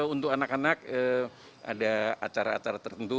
untuk anak anak ada acara acara tertentu